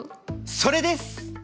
それです！